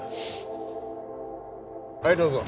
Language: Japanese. はいどうぞ！